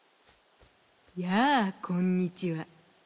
「やあこんにちは。